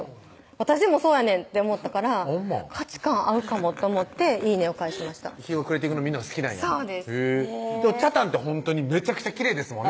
私もそうやねんって思ったから価値観合うかもと思っていいねを返しました日が暮れていくのを見るのが好きなんや北谷ってほんとにめちゃくちゃきれいですもんね